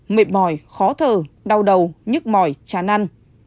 mệt mỏi khó thở đau đầu nhức mỏi chán ăn